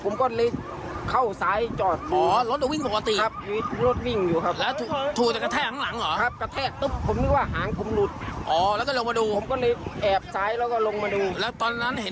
มีคนอยู่ข้างอยู่น่ะ